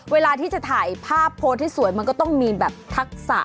เวลาที่จะถ่ายภาพโพสต์ให้สวยมันก็ต้องมีแบบทักษะ